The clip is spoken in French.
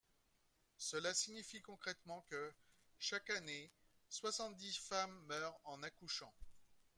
Cela signifie concrètement que, chaque année, soixante-dix femmes meurent en accouchant.